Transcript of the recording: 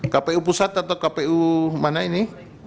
kpu pusat atau kpu mana ini